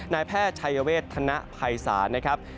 นายแพทย์ชัยเวทธนภัยศาลนะครับ